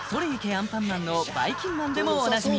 アンパンマン」のばいきんまんでもおなじみ